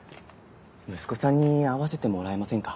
息子さんに会わせてもらえませんか？